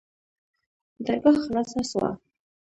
درګاه خلاصه سوه.